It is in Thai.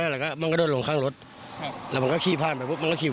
แล้วมันก็มันใช้วสภาษณ์แล้วมันก็ขี้ไป